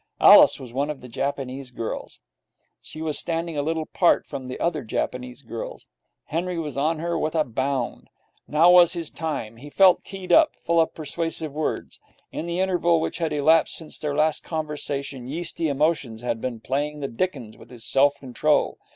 Alice was one of the Japanese girls. She was standing a little apart from the other Japanese girls. Henry was on her with a bound. Now was his time. He felt keyed up, full of persuasive words. In the interval which had elapsed since their last conversation yeasty emotions had been playing the dickens with his self control.